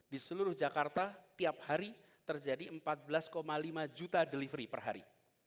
di seluruh jakarta tiap hari terjadi empat belas lima juta delivery per hari